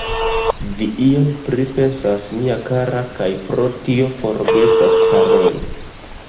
Vi ion pripensas, mia kara, kaj pro tio forgesas paroli.